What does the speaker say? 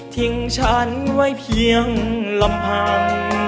ทิ้งฉันไว้เพียงลำพัง